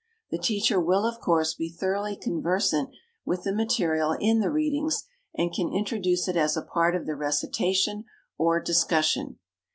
The teacher will, of course, be thoroughly conversant with the material in the "Readings" and can introduce it as a part of the recitation or discussion.